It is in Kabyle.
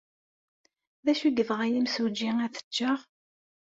D acu ay yebɣa yimsujji ad t-ččeɣ?